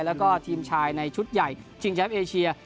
แล้วก็ทีมชายในชุดใหญ่ชิงแชมป์เอเชีย